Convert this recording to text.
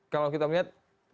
kalau kita melihat